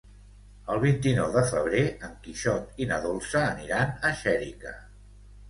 El vint-i-nou de febrer en Quixot i na Dolça aniran a Xèrica.